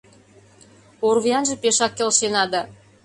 — Орвуянже пешак келшена да...